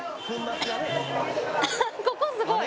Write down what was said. ここすごい！